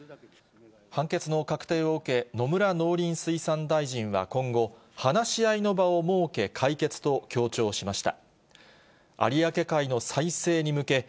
判決の確定を受け、野村農林水産大臣は今後、話し合いの場を設け解決と強調しました。